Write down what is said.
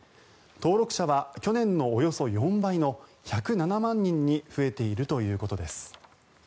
登録者は去年のおよそ４倍の１０７万人に増えているということです。